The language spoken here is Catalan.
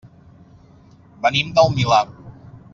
Venim del Milà.